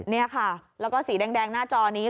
นี่ค่ะแล้วก็สีแดงหน้าจอนี้